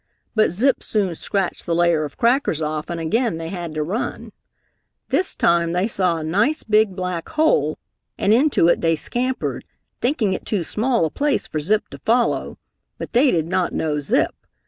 But Zip soon scratched the layer of crackers off and again they had to run. This time they saw a nice big, black hole and into it they scampered, thinking it too small a place for Zip to follow, but they did not know Zip.